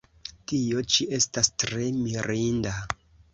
Tio ĉi estas tre mirinda!